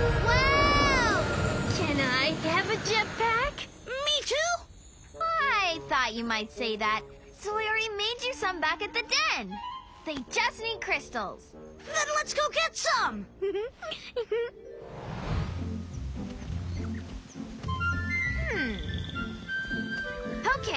オッケー。